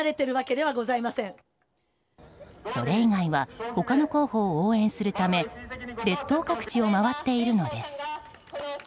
それ以外は他の候補を応援するため列島各地を回っているのです。